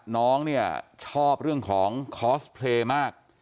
น้องเนี่ยชอบเรื่องของคอสเพลย์มาก